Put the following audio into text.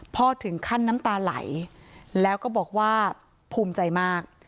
ถึงขั้นน้ำตาไหลแล้วก็บอกว่าภูมิใจมาก